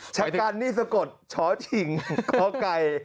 ชะกัลนี่สกดช๔าหญิงพอไก่